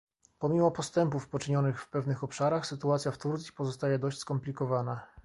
Pomimo postępów poczynionych w pewnych obszarach, sytuacja w Turcji pozostaje dość skomplikowana